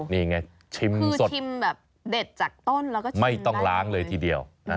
นี่ไงชิมคือชิมแบบเด็ดจากต้นแล้วก็ไม่ต้องล้างเลยทีเดียว